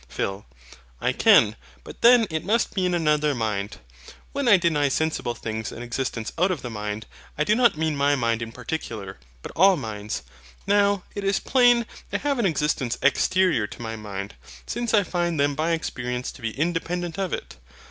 PHIL. I can; but then it must be in another mind. When I deny sensible things an existence out of the mind, I do not mean my mind in particular, but all minds. Now, it is plain they have an existence exterior to my mind; since I find them by experience to be independent of it.